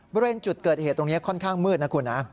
บริเวณจุดเกิดเหตุตรงนี้ค่อนข้างมืดนะคุณนะ